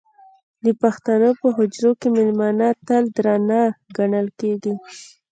د پښتنو په حجرو کې مېلمانه تل درانه ګڼل کېږي.